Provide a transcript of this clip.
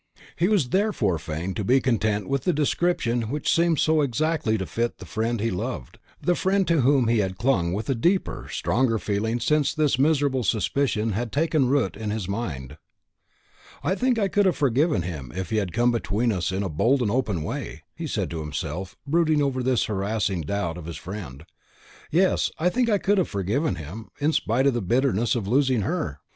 He was therefore fain to be content with the description which seemed so exactly to fit the friend he loved, the friend to whom he had clung with a deeper, stronger feeling since this miserable suspicion had taken root in his mind. "I think I could have forgiven him if he had come between us in a bold and open way," he said to himself, brooding over this harassing doubt of his friend; "yes, I think I could have forgiven him, in spite of the bitterness of losing her.